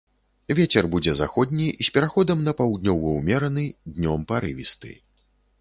Вецер будзе заходні з пераходам на паўднёвы ўмераны, днём парывісты.